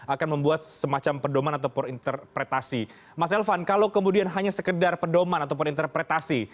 akan membuat semacam pedoman ataupun interpretasi mas elvan kalau kemudian hanya sekedar pedoman ataupun interpretasi